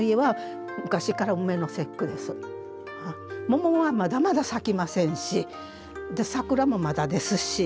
桃はまだまだ咲きませんし桜もまだですし。